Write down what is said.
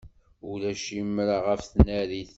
Ulac imra ɣef tnarit.